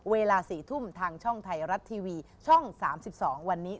เวลา๔ทุ่มทางช่องไทยรัฐทีวีช่อง๓๒วันนี้